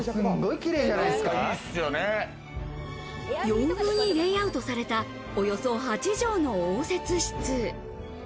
洋風にレイアウトされた、およそ８畳の応接室。